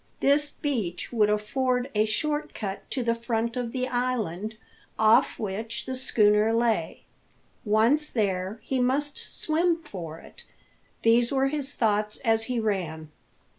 This beach would afford a short cut to the front of the island, off which the schooner lay. Once there, he must swim for it. These were his thoughts as he ran.